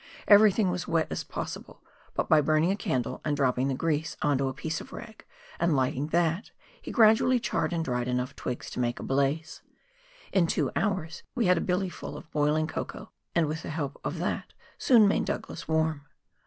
Everything was wet as possible, but by burning a candle and dropping the grease on to a piece of rag, and lighting that, he gradually charred and dried enough twigs to make a blaze. In two hours we had a billy full of boih'ng cocoa, and with the help of that soon made Douglas warm.